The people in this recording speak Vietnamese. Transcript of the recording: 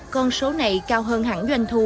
con số này cao hơn hẳn doanh thu